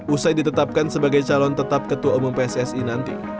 usai ditetapkan sebagai calon tetap ketua umum pssi nanti